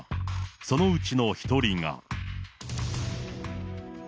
そのうちの１人が。